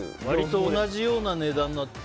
割と同じような値段の。